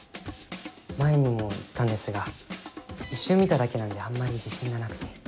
前にも言ったんですが一瞬見ただけなんであんまり自信がなくて。